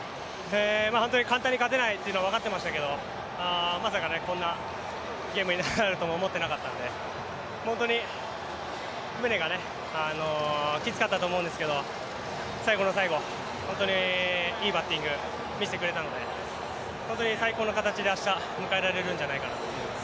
本当に簡単に勝てないというのは分かっていましたけどまさかにこんなゲームになるとも思っていなかったんで、本当にムネがきつかったと思うんですけど最後の最後、本当にいいバッティング見せてくれたので本当に最高の形で明日を迎えられるんじゃないかと思います。